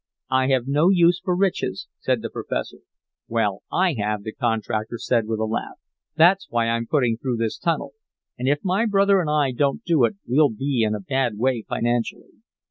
"I have no use for riches," said the professor. "Well, I have," the contractor said, with a laugh. "That's why I'm putting through this tunnel. And if my brother and I don't do it we'll be in a bad way financially.